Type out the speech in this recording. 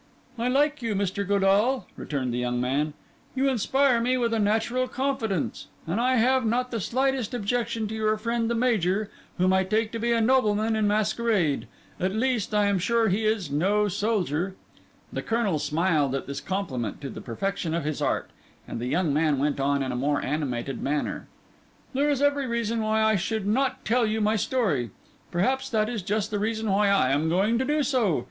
"I like you, Mr. Godall," returned the young man; "you inspire me with a natural confidence; and I have not the slightest objection to your friend the Major, whom I take to be a nobleman in masquerade. At least, I am sure he is no soldier." The Colonel smiled at this compliment to the perfection of his art; and the young man went on in a more animated manner. "There is every reason why I should not tell you my story. Perhaps that is just the reason why I am going to do so.